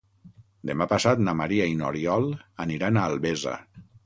Demà passat na Maria i n'Oriol aniran a Albesa.